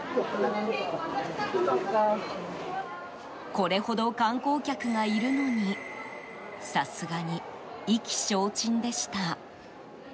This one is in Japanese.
これほど観光客がいるのにさすがに意気消沈でした。